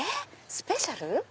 スペシャル⁉